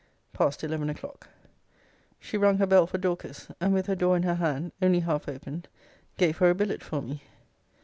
PAST ELEVEN O'CLOCK. She rung her bell for Dorcas; and, with her door in her hand, only half opened, gave her a billet for me.